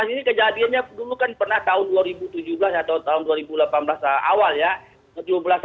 ini kejadiannya dulu kan pernah tahun dua ribu tujuh belas atau tahun dua ribu delapan belas awal ya